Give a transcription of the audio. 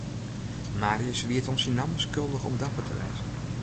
Marius wie it oan syn namme skuldich om dapper te wêze.